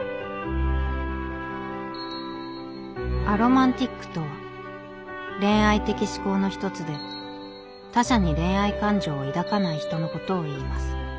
「アロマンティックとは恋愛的指向の一つで他者に恋愛感情を抱かない人のことをいいます」